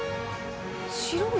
白い？